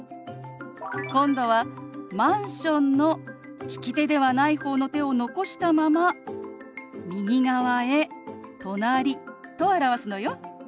今度は「マンション」の利き手ではない方の手を残したまま右側へ「隣」と表すのよ。